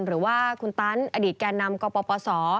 หรือว่าคุณตันอดีตแก่นำกปศ